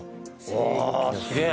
わあすげえ！